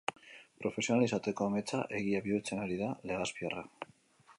Profesional izateko ametsa egia bihurtzen ari da legazpiarra.